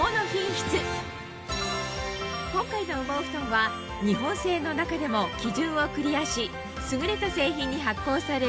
今回の羽毛ふとんは日本製の中でも基準をクリアし優れた製品に発行される